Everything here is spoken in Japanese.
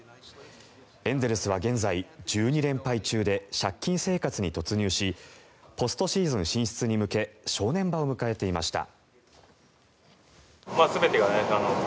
エンゼルスでは現在１２連敗中で借金生活に突入しポストシーズン進出に向け正念場を迎えていました。